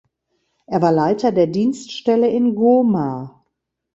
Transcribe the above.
Er war Leiter der Dienststelle in Goma.